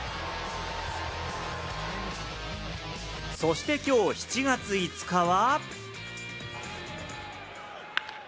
そしてきょう７月５日は。